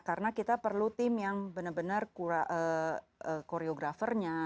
karena kita perlu tim yang benar benar choreographernya